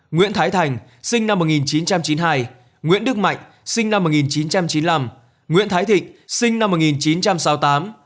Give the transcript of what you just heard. nguyễn thái thành sinh năm một nghìn chín trăm chín mươi hai nguyễn đức mạnh sinh năm một nghìn chín trăm chín mươi năm nguyễn thái thịnh sinh năm một nghìn chín trăm sáu mươi tám